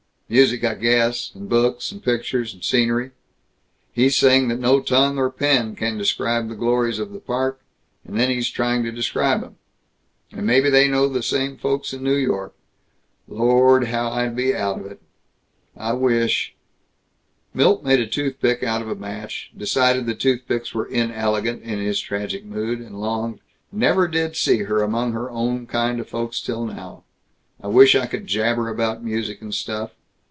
Music, I guess, and books and pictures and scenery. He's saying that no tongue or pen can describe the glories of the Park, and then he's trying to describe 'em. And maybe they know the same folks in New York. Lord, how I'd be out of it. I wish " Milt made a toothpick out of a match, decided that toothpicks were inelegant in his tragic mood, and longed: "Never did see her among her own kind of folks till now. I wish I could jabber about music and stuff.